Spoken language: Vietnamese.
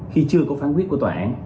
khi chưa có phán quyết của tòa án